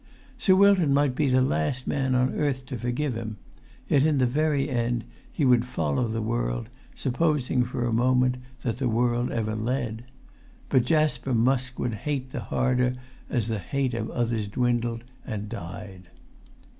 Sir Wilton might be the last man on earth to forgive him, yet in the very end he would follow the world, supposing for a moment that the world ever led. But Jasper Musk would hate the harder as the hate of others dwindled and died.